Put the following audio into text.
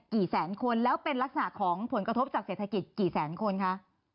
แสนคนแล้วเป็นลักษณะของผลกระทบจากเศรษฐกิจกี่แสนคนคะ